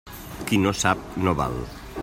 Qui no sap, no val.